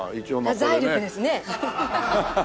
財力ですね！